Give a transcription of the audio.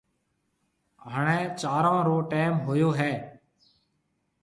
هڻيَ چارون رو ٽيم هوئي هيَ۔